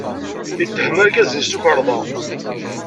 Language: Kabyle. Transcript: Yetthem argaz-nni s tukerḍa.